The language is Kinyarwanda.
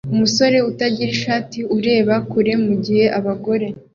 Umusore utagira ishati ureba kure mugihe abagore